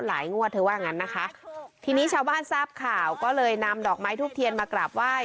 งวดเธอว่างั้นนะคะทีนี้ชาวบ้านทราบข่าวก็เลยนำดอกไม้ทูบเทียนมากราบไหว้